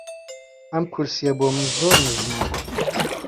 ئەم کورسییە بۆ من زۆر نزمە.